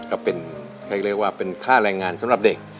ก็เป็นเขาเรียกว่าเป็นค่าแรงงานสำหรับเด็ก